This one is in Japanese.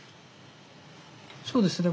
そうですね。